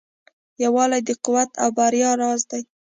یووالی د قوت او بریا راز دی.